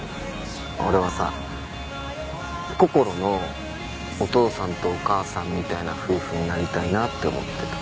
俺はさこころのお父さんとお母さんみたいな夫婦になりたいなって思ってる。